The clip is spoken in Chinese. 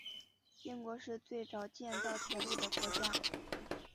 英国是最早建造铁路的国家。